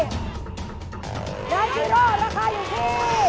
เนย๔โลราคาอยู่ที่